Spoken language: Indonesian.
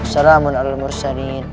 salamun ala mursalin